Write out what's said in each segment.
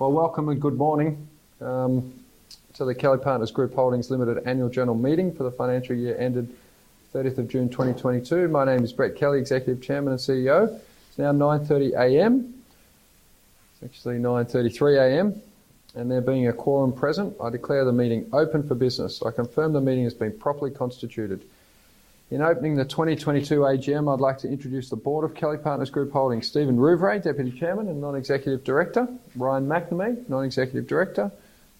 Welcome and good morning to the Kelly Partners Group Holdings Limited annual general meeting for the financial year ended 30th of June 2022. My name is Brett Kelly, Executive Chairman and CEO. It's now 9:30 A.M. It's actually 9:33 A.M. There being a quorum present, I declare the meeting open for business. I confirm the meeting has been properly constituted. In opening the 2022 AGM, I'd like to introduce the board of Kelly Partners Group Holdings: Stephen Rouvray, Deputy Chairman and non-executive director; Ryan MacNamee, non-executive director;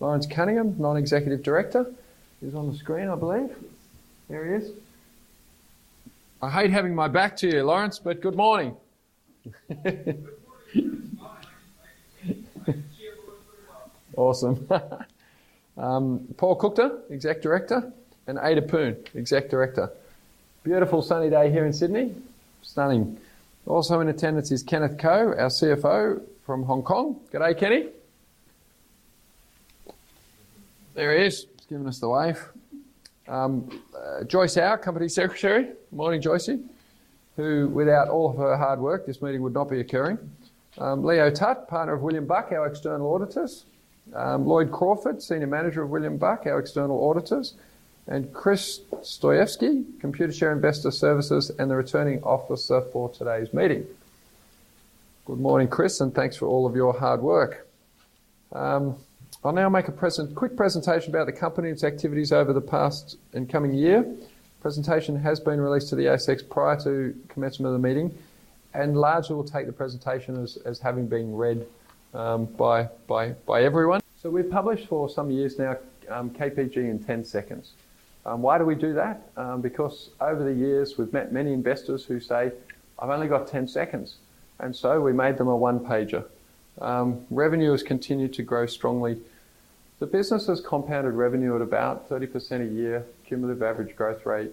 Lawrence Cunningham, non-executive director. He's on the screen, I believe. There he is. I hate having my back to you, Lawrence, but good morning. Good morning. Awesome. Paul Kuchta, Executive Director, and Ada Poon, Executive Director. Beautiful sunny day here in Sydney. Stunning. Also in attendance is Kenneth Ko, our CFO from Hong Kong. G'day, Kenny. There he is. He's given us the wave. Joyce Au, Company Secretary. Good morning, Joyce. Who, without all of her hard work, this meeting would not be occurring. Leo Tutt, partner of William Buck, our external auditors. Lloyd Crawford, Senior Manager of William Buck, our external auditors. Chris Dostoevsky, Computershare Investor Services and the returning officer for today's meeting. Good morning, Chris, and thanks for all of your hard work. I'll now make a quick presentation about the company and its activities over the past and coming year. The presentation has been released to the ASX prior to commencement of the meeting, and largely will take the presentation as having been read by everyone. We have published for some years now KPG in 10 seconds. Why do we do that? Because over the years we have met many investors who say, "I have only got 10 seconds." We made them a one-pager. Revenue has continued to grow strongly. The business has compounded revenue at about 30% a year, cumulative average growth rate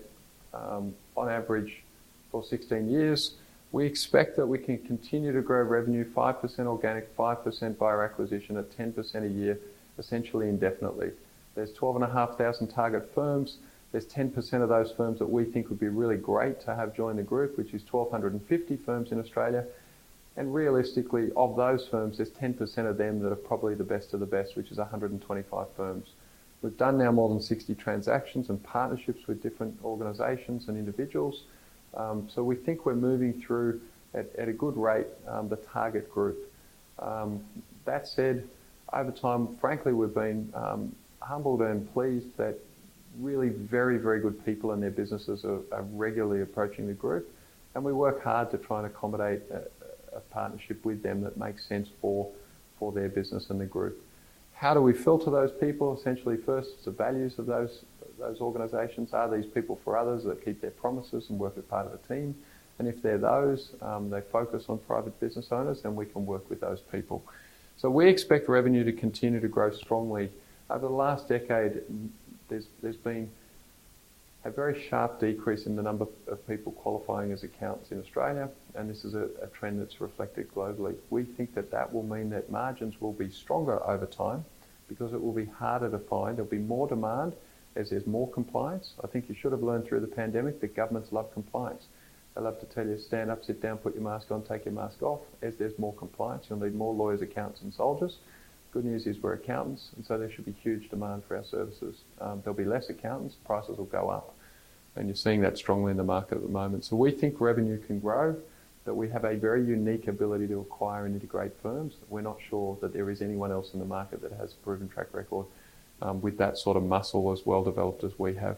on average for 16 years. We expect that we can continue to grow revenue: 5% organic, 5% by acquisition, at 10% a year, essentially indefinitely. There are 12,500 target firms. There are 10% of those firms that we think would be really great to have join the group, which is 1,250 firms in Australia. Realistically, of those firms, there are 10% of them that are probably the best of the best, which is 125 firms. We have done now more than 60 transactions and partnerships with different organizations and individuals. We think we're moving through at a good rate the target group. That said, over time, frankly, we've been humbled and pleased that really very, very good people and their businesses are regularly approaching the group. We work hard to try and accommodate a partnership with them that makes sense for their business and the group. How do we filter those people? Essentially, first, the values of those organizations. Are these people for others that keep their promises and work as part of a team? If they're those, they focus on private business owners, then we can work with those people. We expect revenue to continue to grow strongly. Over the last decade, there's been a very sharp decrease in the number of people qualifying as accountants in Australia, and this is a trend that's reflected globally. We think that that will mean that margins will be stronger over time because it will be harder to find. There'll be more demand as there's more compliance. I think you should have learned through the pandemic that governments love compliance. They love to tell you, "Stand up, sit down, put your mask on, take your mask off." As there's more compliance, you'll need more lawyers, accountants, and soldiers. Good news is we're accountants, and so there should be huge demand for our services. There'll be less accountants. Prices will go up. You are seeing that strongly in the market at the moment. We think revenue can grow, that we have a very unique ability to acquire and integrate firms. We're not sure that there is anyone else in the market that has a proven track record with that sort of muscle as well developed as we have.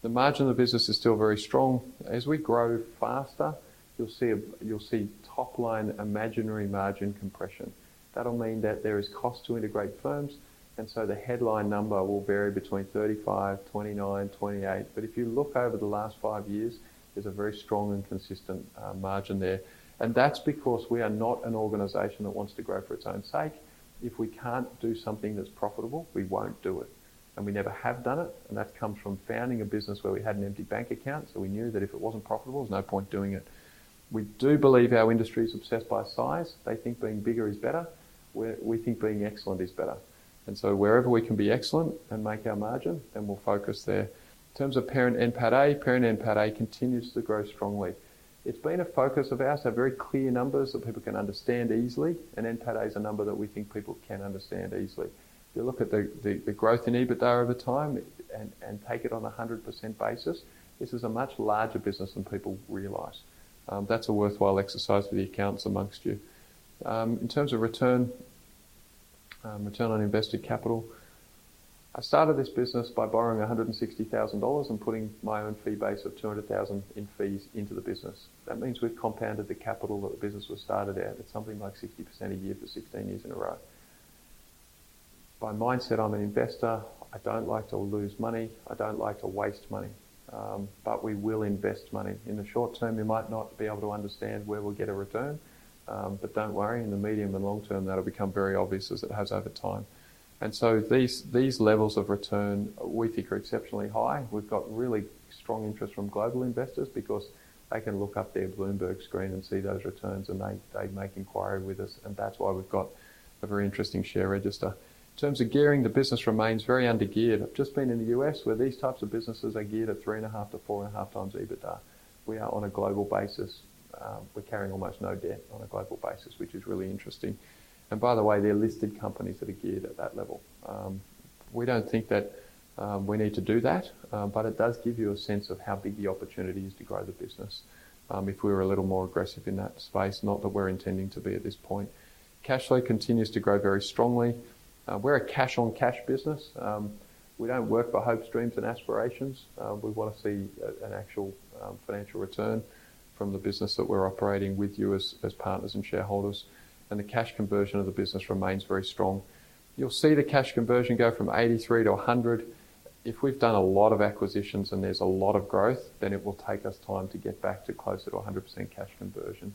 The margin of the business is still very strong. As we grow faster, you'll see top-line imaginary margin compression. That'll mean that there is cost to integrate firms, and so the headline number will vary between 35, 29, 28. If you look over the last five years, there's a very strong and consistent margin there. That is because we are not an organisation that wants to grow for its own sake. If we can't do something that's profitable, we won't do it. We never have done it. That comes from founding a business where we had an empty bank account, so we knew that if it wasn't profitable, there's no point doing it. We do believe our industry is obsessed by size. They think being bigger is better. We think being excellent is better. Wherever we can be excellent and make our margin, then we'll focus there. In terms of parent NPATA, parent NPATA continues to grow strongly. It's been a focus of ours, a very clear number that people can understand easily. NPATA is a number that we think people can understand easily. If you look at the growth in EBITDA over time and take it on a 100% basis, this is a much larger business than people realize. That's a worthwhile exercise for the accountants amongst you. In terms of return on invested capital, I started this business by borrowing $160,000 and putting my own fee base of $200,000 in fees into the business. That means we've compounded the capital that the business was started at. It's something like 60% a year for 16 years in a row. By mindset, I'm an investor. I don't like to lose money. I don't like to waste money. We will invest money. In the short term, you might not be able to understand where we'll get a return. Do not worry, in the medium and long term, that'll become very obvious as it has over time. These levels of return we think are exceptionally high. We've got really strong interest from global investors because they can look up their Bloomberg screen and see those returns, and they make inquiry with us. That is why we've got a very interesting share register. In terms of gearing, the business remains very under-geared. I've just been in the U.S. where these types of businesses are geared at three and a half to four and a half times EBITDA. We are on a global basis. We're carrying almost no debt on a global basis, which is really interesting. There are listed companies that are geared at that level. We do not think that we need to do that, but it does give you a sense of how big the opportunity is to grow the business if we were a little more aggressive in that space, not that we are intending to be at this point. Cashflow continues to grow very strongly. We are a cash-on-cash business. We do not work for hopes, dreams, and aspirations. We want to see an actual financial return from the business that we are operating with you as partners and shareholders. The cash conversion of the business remains very strong. You will see the cash conversion go from 83%-100%. If we have done a lot of acquisitions and there is a lot of growth, then it will take us time to get back to closer to 100% cash conversion.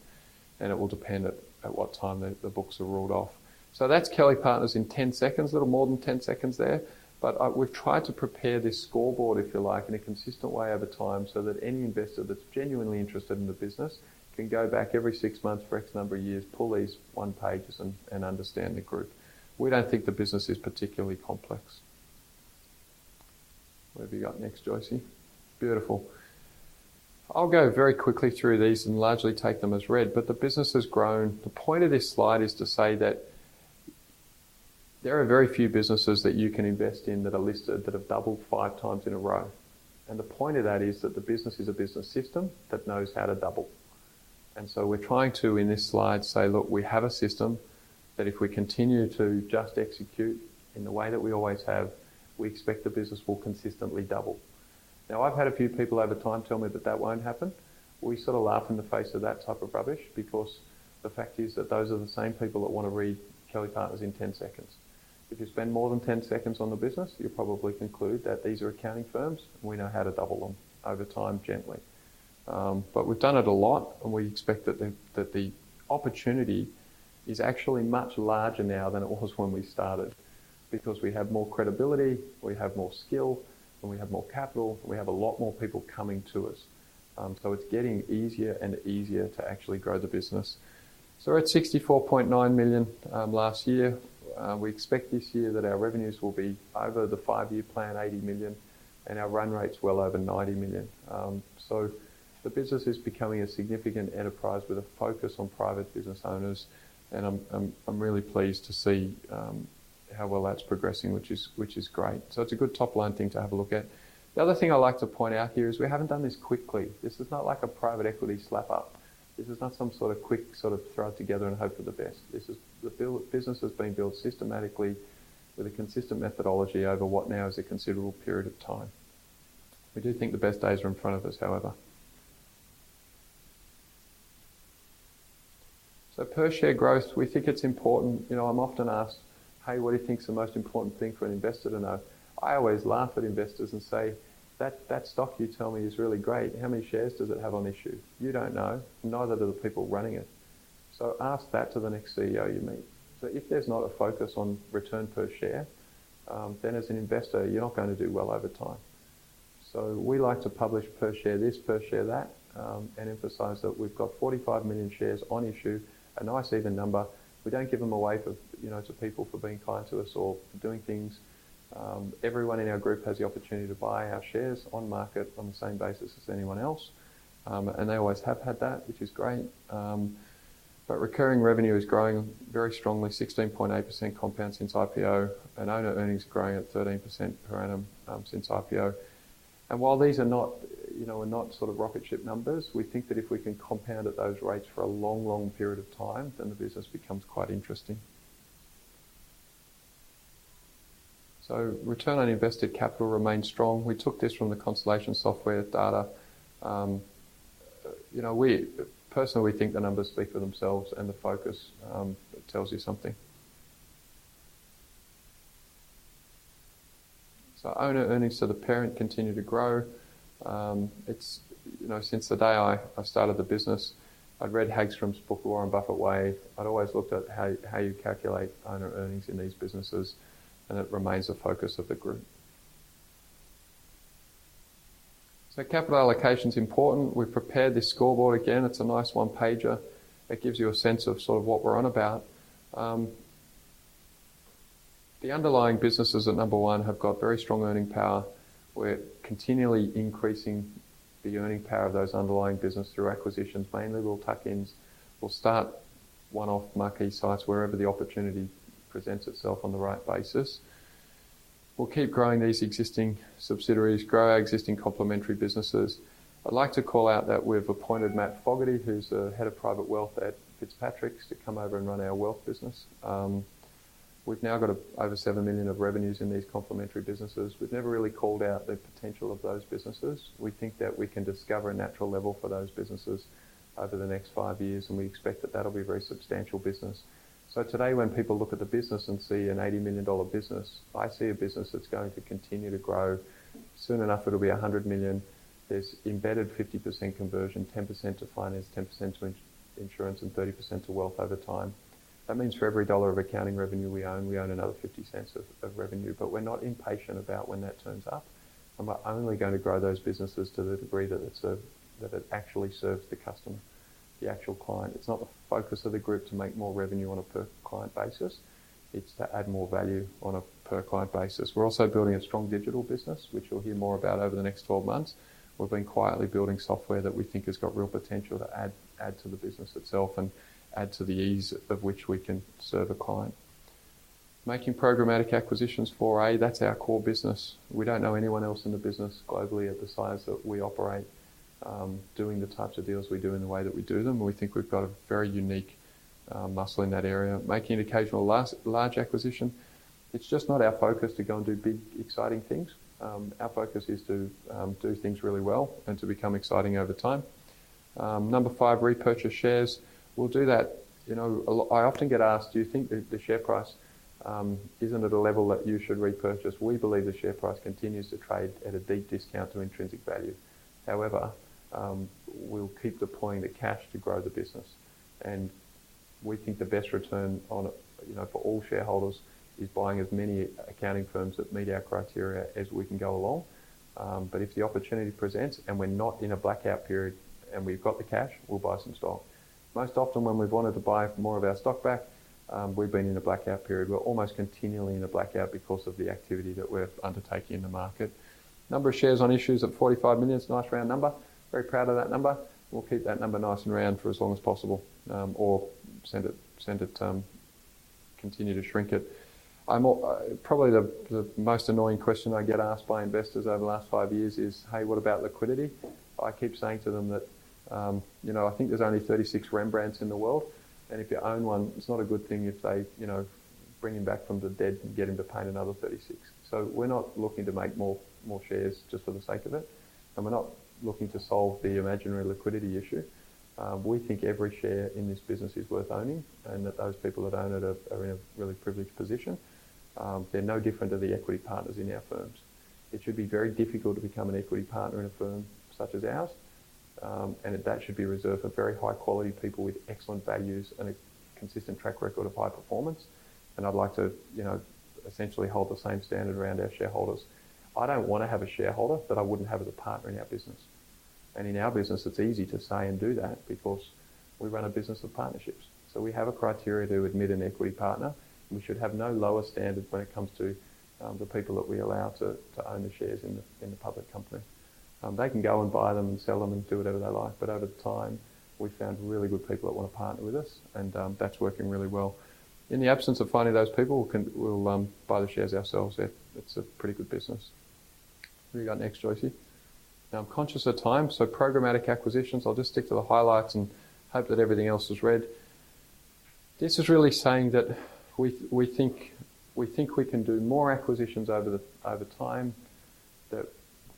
It will depend at what time the books are ruled off. That is Kelly Partners in 10 seconds. A little more than 10 seconds there. We have tried to prepare this scoreboard, if you like, in a consistent way over time so that any investor that is genuinely interested in the business can go back every six months for X number of years, pull these one-pagers, and understand the group. We do not think the business is particularly complex. What have you got next, Joyce? Beautiful. I will go very quickly through these and largely take them as read. The business has grown. The point of this slide is to say that there are very few businesses that you can invest in that are listed that have doubled five times in a row. The point of that is that the business is a business system that knows how to double. We are trying to, in this slide, say, "Look, we have a system that if we continue to just execute in the way that we always have, we expect the business will consistently double." Now, I've had a few people over time tell me that that won't happen. We sort of laugh in the face of that type of rubbish because the fact is that those are the same people that want to read Kelly Partners in 10 seconds. If you spend more than 10 seconds on the business, you'll probably conclude that these are accounting firms and we know how to double them over time gently. We have done it a lot, and we expect that the opportunity is actually much larger now than it was when we started because we have more credibility, we have more skill, and we have more capital, and we have a lot more people coming to us. It is getting easier and easier to actually grow the business. We were at 64.9 million last year. We expect this year that our revenues will be, over the five-year plan, 80 million, and our run rate is well over 90 million. The business is becoming a significant enterprise with a focus on private business owners. I am really pleased to see how well that is progressing, which is great. It is a good top-line thing to have a look at. The other thing I would like to point out here is we have not done this quickly. This is not like a private equity slap-up. This is not some sort of quick sort of throw it together and hope for the best. The business has been built systematically with a consistent methodology over what now is a considerable period of time. We do think the best days are in front of us, however. Per-share growth, we think it's important. I'm often asked, "Hey, what do you think's the most important thing for an investor to know?" I always laugh at investors and say, "That stock you tell me is really great. How many shares does it have on issue?" You don't know. Neither do the people running it. Ask that to the next CEO you meet. If there's not a focus on return per share, then as an investor, you're not going to do well over time. We like to publish per-share this, per-share that, and emphasize that we've got 45 million shares on issue, a nice even number. We don't give them away to people for being kind to us or for doing things. Everyone in our group has the opportunity to buy our shares on market on the same basis as anyone else. They always have had that, which is great. Recurring revenue is growing very strongly, 16.8% compound since IPO. Owner earnings are growing at 13% per annum since IPO. While these are not sort of rocket ship numbers, we think that if we can compound at those rates for a long, long period of time, then the business becomes quite interesting. Return on invested capital remains strong. We took this from the Constellation Software data. Personally, we think the numbers speak for themselves, and the focus tells you something. Owner earnings to the parent continue to grow. Since the day I started the business, I'd read Hagstrom's book, Warren Buffett Way. I'd always looked at how you calculate owner earnings in these businesses, and it remains a focus of the group. Capital allocation's important. We've prepared this scoreboard again. It's a nice one-pager. It gives you a sense of sort of what we're on about. The underlying businesses at number one have got very strong earning power. We're continually increasing the earning power of those underlying businesses through acquisitions, mainly real tuck-ins. We'll start one-off marquee sites wherever the opportunity presents itself on the right basis. We'll keep growing these existing subsidiaries, grow our existing complementary businesses. I'd like to call out that we've appointed Matt Fogarty, who's the head of private wealth at Fitzpatricks, to come over and run our wealth business. We've now got over 7 million of revenues in these complementary businesses. We've never really called out the potential of those businesses. We think that we can discover a natural level for those businesses over the next five years, and we expect that that'll be a very substantial business. Today, when people look at the business and see an 80 million dollar business, I see a business that's going to continue to grow. Soon enough, it'll be 100 million. There's embedded 50% conversion, 10% to finance, 10% to insurance, and 30% to wealth over time. That means for every dollar of accounting revenue we own, we own another 50 cents of revenue. We're not impatient about when that turns up. We're only going to grow those businesses to the degree that it actually serves the customer, the actual client. It's not the focus of the group to make more revenue on a per-client basis. It's to add more value on a per-client basis. We're also building a strong digital business, which you'll hear more about over the next 12 months. We've been quietly building software that we think has got real potential to add to the business itself and add to the ease of which we can serve a client. Making programmatic acquisitions for a—that's our core business. We don't know anyone else in the business globally at the size that we operate, doing the types of deals we do in the way that we do them. We think we've got a very unique muscle in that area. Making an occasional large acquisition. It's just not our focus to go and do big, exciting things. Our focus is to do things really well and to become exciting over time. Number five, repurchase shares. We'll do that. I often get asked, "Do you think the share price isn't at a level that you should repurchase?" We believe the share price continues to trade at a deep discount to intrinsic value. However, we'll keep deploying the cash to grow the business. We think the best return for all shareholders is buying as many accounting firms that meet our criteria as we can go along. If the opportunity presents and we're not in a blackout period and we've got the cash, we'll buy some stock. Most often, when we've wanted to buy more of our stock back, we've been in a blackout period. We're almost continually in a blackout because of the activity that we've undertaken in the market. Number of shares on issue is 45 million. It's a nice round number. Very proud of that number. We'll keep that number nice and round for as long as possible or continue to shrink it. Probably the most annoying question I get asked by investors over the last five years is, "Hey, what about liquidity?" I keep saying to them that I think there's only 36 Rembrandts in the world. If you own one, it's not a good thing if they bring him back from the dead and get him to paint another 36. We're not looking to make more shares just for the sake of it. We're not looking to solve the imaginary liquidity issue. We think every share in this business is worth owning and that those people that own it are in a really privileged position. They're no different to the equity partners in our firms. It should be very difficult to become an equity partner in a firm such as ours. That should be reserved for very high-quality people with excellent values and a consistent track record of high performance. I'd like to essentially hold the same standard around our shareholders. I don't want to have a shareholder that I wouldn't have as a partner in our business. In our business, it's easy to say and do that because we run a business of partnerships. We have a criteria to admit an equity partner. We should have no lower standards when it comes to the people that we allow to own the shares in the public company. They can go and buy them and sell them and do whatever they like. Over time, we've found really good people that want to partner with us, and that's working really well. In the absence of finding those people, we'll buy the shares ourselves. It's a pretty good business. What have you got next, Joyce? Now, I'm conscious of time. Programmatic acquisitions. I'll just stick to the highlights and hope that everything else is read. This is really saying that we think we can do more acquisitions over time, that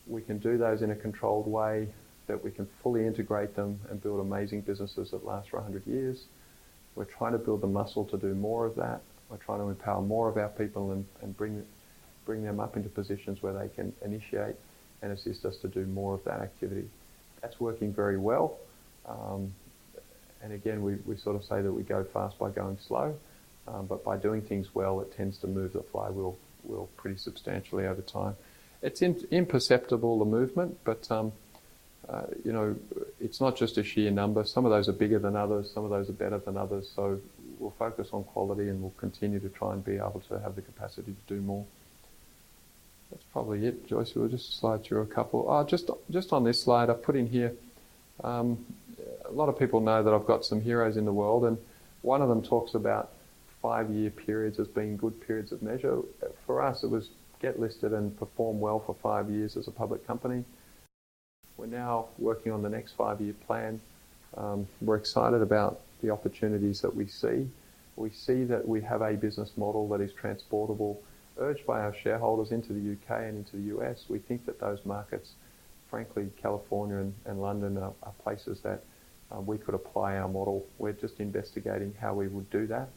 we can do those in a controlled way, that we can fully integrate them and build amazing businesses that last for 100 years. We're trying to build the muscle to do more of that. We're trying to empower more of our people and bring them up into positions where they can initiate and assist us to do more of that activity. That's working very well. We sort of say that we go fast by going slow. By doing things well, it tends to move the flywheel pretty substantially over time. It's imperceptible, the movement, but it's not just a sheer number. Some of those are bigger than others. Some of those are better than others. We'll focus on quality, and we'll continue to try and be able to have the capacity to do more. That's probably it, Joyce. We'll just slide through a couple. Just on this slide, I've put in here a lot of people know that I've got some heroes in the world. One of them talks about five-year periods as being good periods of measure. For us, it was get listed and perform well for five years as a public company. We're now working on the next five-year plan. We're excited about the opportunities that we see. We see that we have a business model that is transportable, urged by our shareholders into the U.K. and into the U.S. We think that those markets, frankly, California and London, are places that we could apply our model. We're just investigating how we would do that.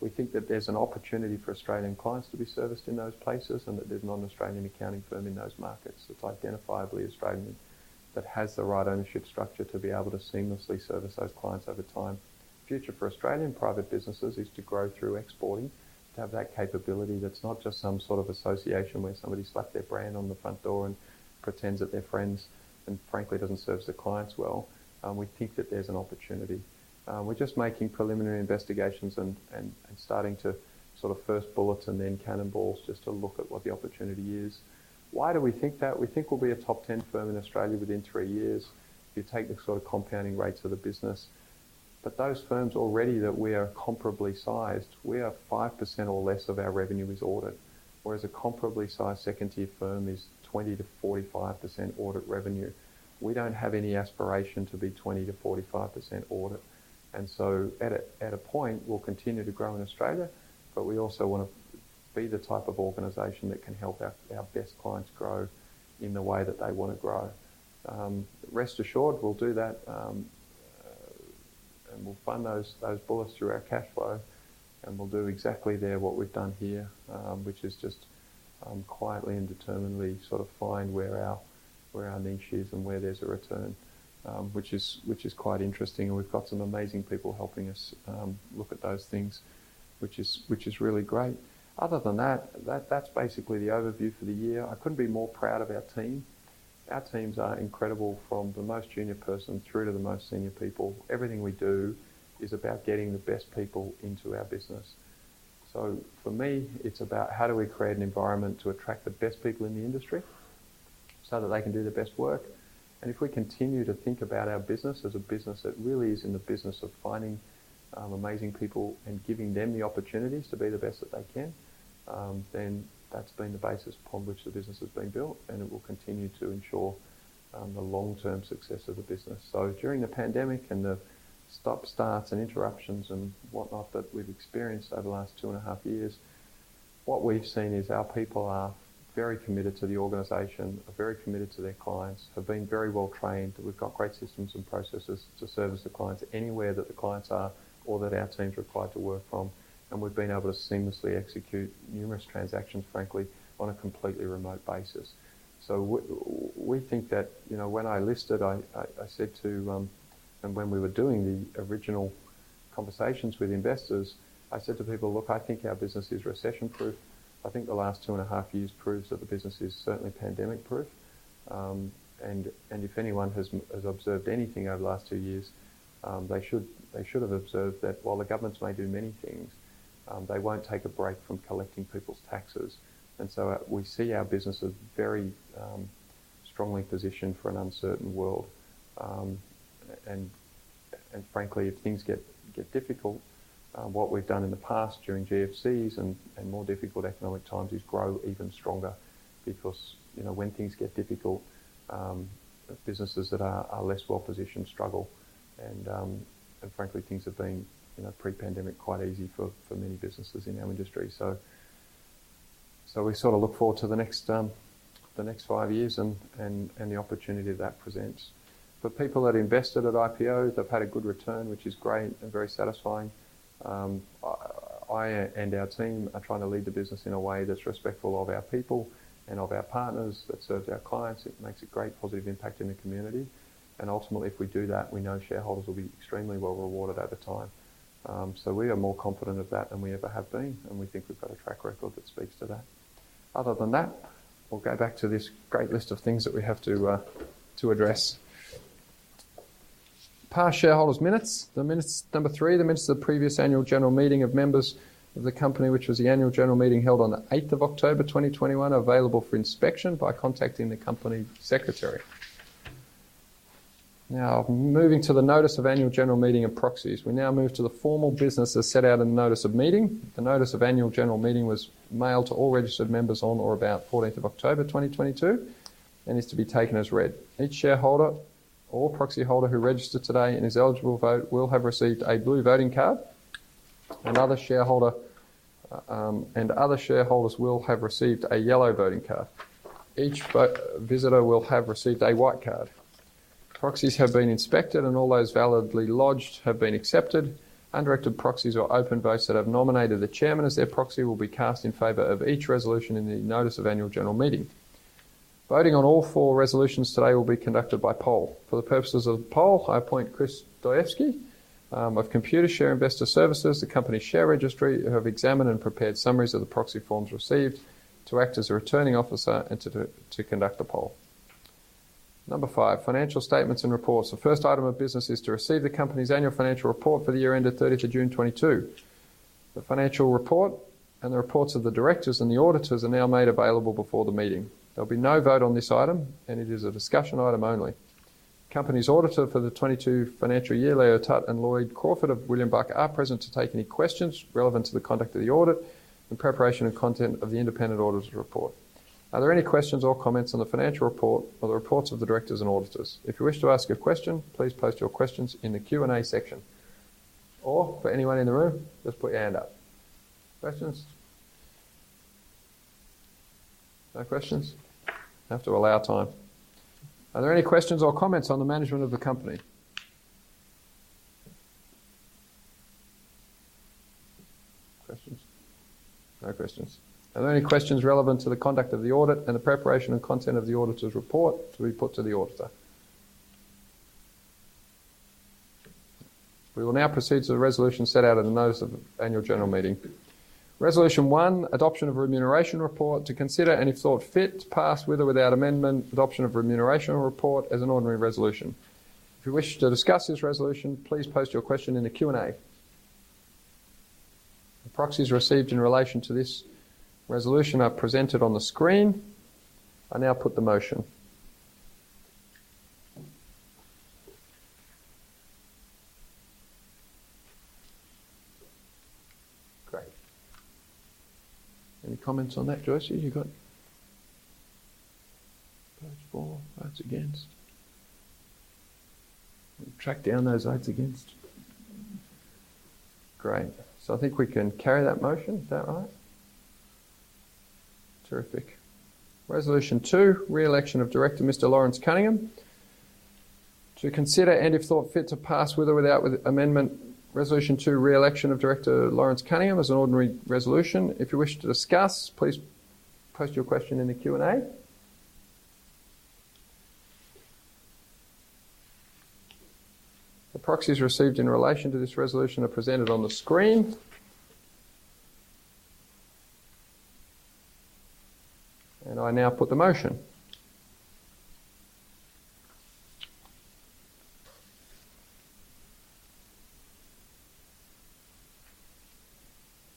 We think that there's an opportunity for Australian clients to be serviced in those places and that there's no Australian accounting firm in those markets that's identifiably Australian that has the right ownership structure to be able to seamlessly service those clients over time. The future for Australian private businesses is to grow through exporting, to have that capability that's not just some sort of association where somebody slaps their brand on the front door and pretends that they're friends and, frankly, doesn't serve their clients well. We think that there's an opportunity. We're just making preliminary investigations and starting to sort of first bullets and then cannonballs just to look at what the opportunity is. Why do we think that? We think we'll be a top 10 firm in Australia within three years if you take the sort of compounding rates of the business. Those firms already that we are comparably sized, we are 5% or less of our revenue is audit, whereas a comparably sized second-tier firm is 20%-45% audit revenue. We don't have any aspiration to be 20%-45% audit. At a point, we'll continue to grow in Australia, but we also want to be the type of organisation that can help our best clients grow in the way that they want to grow. Rest assured, we'll do that. We'll fund those bullets through our cash flow. We'll do exactly there what we've done here, which is just quietly and determinedly sort of find where our niche is and where there's a return, which is quite interesting. We've got some amazing people helping us look at those things, which is really great. Other than that, that's basically the overview for the year. I couldn't be more proud of our team. Our teams are incredible from the most junior person through to the most senior people. Everything we do is about getting the best people into our business. For me, it's about how do we create an environment to attract the best people in the industry so that they can do the best work. If we continue to think about our business as a business that really is in the business of finding amazing people and giving them the opportunities to be the best that they can, then that's been the basis upon which the business has been built, and it will continue to ensure the long-term success of the business. During the pandemic and the stop-starts and interruptions and whatnot that we've experienced over the last two and a half years, what we've seen is our people are very committed to the organisation, are very committed to their clients, have been very well trained. We have great systems and processes to service the clients anywhere that the clients are or that our teams are required to work from. We have been able to seamlessly execute numerous transactions, frankly, on a completely remote basis. We think that when I listed, I said to—and when we were doing the original conversations with investors—I said to people, "Look, I think our business is recession-proof. I think the last two and a half years proves that the business is certainly pandemic-proof." If anyone has observed anything over the last two years, they should have observed that while the governments may do many things, they will not take a break from collecting people's taxes. We see our business as very strongly positioned for an uncertain world. Frankly, if things get difficult, what we've done in the past during GFCs and more difficult economic times is grow even stronger because when things get difficult, businesses that are less well-positioned struggle. Frankly, things have been pre-pandemic quite easy for many businesses in our industry. We sort of look forward to the next five years and the opportunity that that presents. For people that invested at IPO, they've had a good return, which is great and very satisfying. I and our team are trying to lead the business in a way that's respectful of our people and of our partners, that serves our clients. It makes a great positive impact in the community. Ultimately, if we do that, we know shareholders will be extremely well-rewarded over time. We are more confident of that than we ever have been. We think we've got a track record that speaks to that. Other than that, we'll go back to this great list of things that we have to address. Past shareholders' minutes. Number three, the minutes of the previous annual general meeting of members of the company, which was the annual general meeting held on the 8th of October, 2021, available for inspection by contacting the Company Secretary. Now, moving to the notice of annual general meeting and proxies. We now move to the formal business as set out in the notice of meeting. The notice of annual general meeting was mailed to all registered members on or about 14th of October, 2022, and is to be taken as read. Each shareholder or proxy holder who registered today in his eligible vote will have received a blue voting card. Another shareholder and other shareholders will have received a yellow voting card. Each visitor will have received a white card. Proxies have been inspected, and all those validly lodged have been accepted. Undirected proxies are open votes that have nominated the Chairman as their proxy will be cast in favor of each resolution in the notice of annual general meeting. Voting on all four resolutions today will be conducted by poll. For the purposes of the poll, I appoint Chris Dostoevsky of Computershare Investor Services, the company's share registry, who have examined and prepared summaries of the proxy forms received to act as a returning officer and to conduct a poll. Number five, financial statements and reports. The first item of business is to receive the company's annual financial report for the year ended 30th of June, 2022. The financial report and the reports of the directors and the auditors are now made available before the meeting. There'll be no vote on this item, and it is a discussion item only. Company's auditor for the 2022 financial year, Leo Tutt and Lloyd Crawford of William Buck are present to take any questions relevant to the conduct of the audit in preparation of content of the independent auditor report. Are there any questions or comments on the financial report or the reports of the directors and auditors? If you wish to ask a question, please post your questions in the Q&A section. For anyone in the room, just put your hand up. Questions? No questions? Have to allow time. Are there any questions or comments on the management of the company? No questions. No questions. Are there any questions relevant to the conduct of the audit and the preparation and content of the auditor's report to be put to the auditor? We will now proceed to the resolution set out in the notice of annual general meeting. Resolution one, adoption of remuneration report to consider any thought fit, pass with or without amendment, adoption of remuneration report as an ordinary resolution. If you wish to discuss this resolution, please post your question in the Q&A. The proxies received in relation to this resolution are presented on the screen. I now put the motion. Great. Any comments on that, Joyce? You got votes for, votes against. Track down those votes against. Great. I think we can carry that motion. Is that right? Terrific. Resolution two, re-election of director Mr. Lawrence Cunningham. To consider and if thought fit to pass with or without amendment, resolution two, re-election of director Lawrence Cunningham as an ordinary resolution. If you wish to discuss, please post your question in the Q&A. The proxies received in relation to this resolution are presented on the screen. I now put the motion.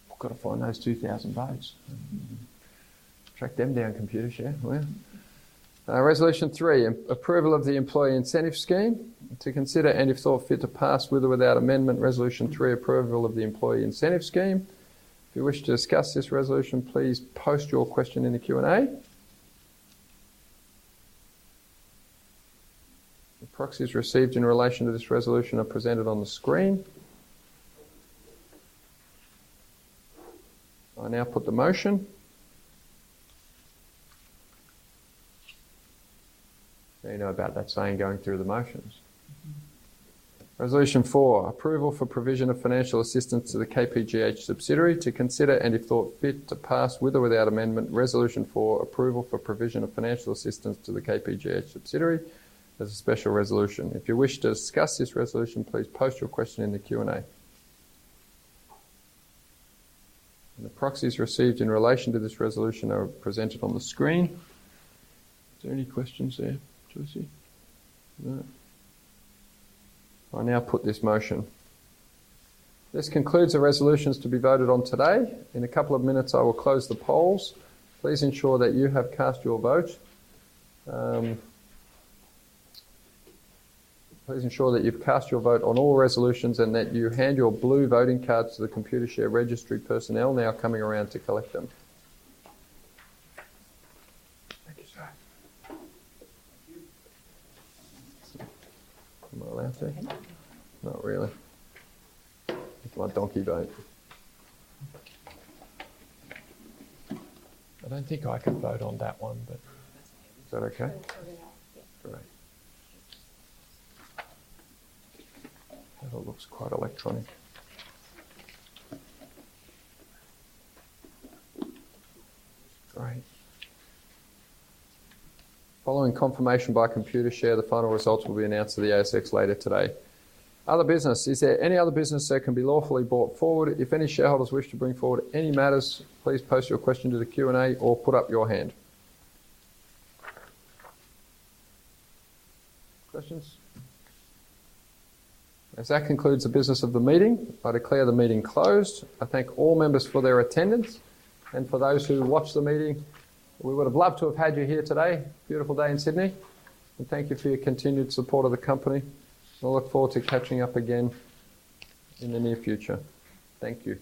We've got to find those 2,000 votes. Track them down, Computershare. Resolution three, approval of the employee incentive scheme. To consider and if thought fit to pass with or without amendment, resolution three, approval of the employee incentive scheme. If you wish to discuss this resolution, please post your question in the Q&A. The proxies received in relation to this resolution are presented on the screen. I now put the motion. You know about that saying going through the motions. Resolution four, approval for provision of financial assistance to the KPGH subsidiary. To consider and if thought fit to pass with or without amendment, resolution four, approval for provision of financial assistance to the KPGH subsidiary as a special resolution. If you wish to discuss this resolution, please post your question in the Q&A. The proxies received in relation to this resolution are presented on the screen. Is there any questions there, Joyce? I now put this motion. This concludes the resolutions to be voted on today. In a couple of minutes, I will close the polls. Please ensure that you have cast your vote. Please ensure that you've cast your vote on all resolutions and that you hand your blue voting cards to the Computershare registry personnel now coming around to collect them. Thank you, sir. Am I allowed to? Not really. It's my donkey vote. I don't think I can vote on that one, but is that okay? Great. That looks quite electronic. Great. Following confirmation by Computer Share, the final results will be announced to the ASX later today. Other business, is there any other business that can be lawfully brought forward? If any shareholders wish to bring forward any matters, please post your question to the Q&A or put up your hand. Questions? As that concludes the business of the meeting, I declare the meeting closed. I thank all members for their attendance. For those who watched the meeting, we would have loved to have had you here today. Beautiful day in Sydney. Thank you for your continued support of the company. We'll look forward to catching up again in the near future. Thank you.